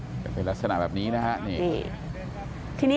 จะเป็นลักษณะแบบนี้นะฮะนี่